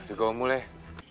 sudah om mulai